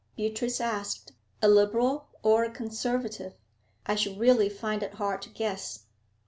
Beatrice asked. 'A Liberal or a Conservative? I should really find it hard to guess.'